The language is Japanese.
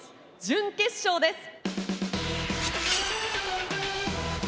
準決勝です。